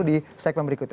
di segmen berikutnya